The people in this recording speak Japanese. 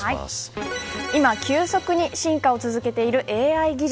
今、急速に進化を続けているＡＩ技術。